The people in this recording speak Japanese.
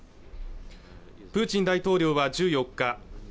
プーチン大統領は１４日